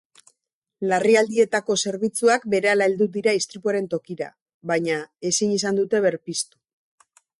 Larrialdietako zerbitzuak berehala heldu dira istripuaren tokira, baina ezin izan dute berpiztu.